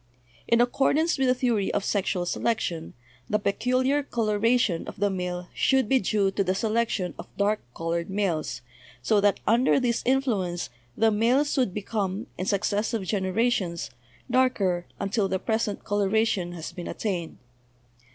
In accordance with the theory of sexual selection, the peculiar coloration of the male should be due to the selection of dark colored males, so that under this influence the males would be come, in successive generations, darker until the present coloration has been attained.